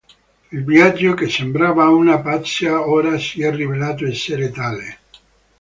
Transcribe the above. Il viaggio che sembrava una pazzia, ora, si è rivelato essere tale.